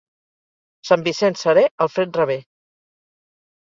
Sant Vicenç serè, el fred revé.